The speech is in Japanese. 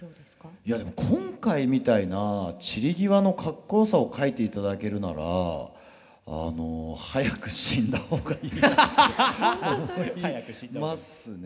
いやでも今回みたいな散り際のかっこよさを書いていただけるならあの早く死んだ方がいいなって思いますね。